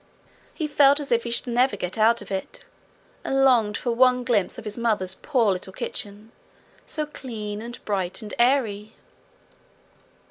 He felt as if he should never get out of it, and longed for one glimpse of his mother's poor little kitchen, so clean and bright and airy.